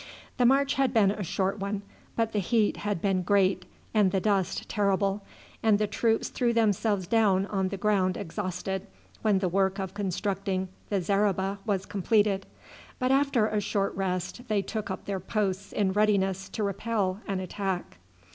The march had been a short one, but the heat had been great and the dust terrible, and the troops threw themselves down on the ground exhausted when the work of constructing the zareba was completed; but after a short rest they took up their posts in readiness to repel an attack.